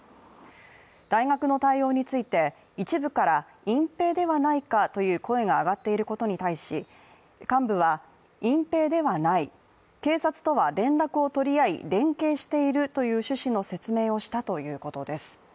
大学の対応について、一部から隠蔽ではないかという声が上がっていることに対し幹部は、隠蔽ではない警察とは連絡を取り合い連携しているという趣旨の説明をしたということです。